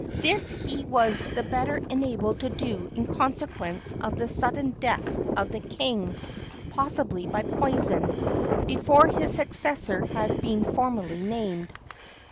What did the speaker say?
This he was the better enabled to do in consequence of the sudden death of the king, possibly by poison, before his successor had been formally named.